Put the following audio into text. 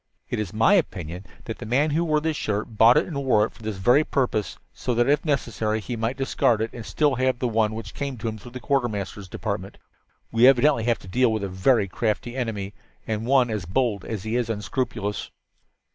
It is my opinion that the man who wore this shirt bought it and wore it for this very purpose, so that, if necessary, he might discard it and still have the one which came to him through the Quartermaster's Department. We evidently have to deal with a very crafty enemy, and one as bold as he is unscrupulous.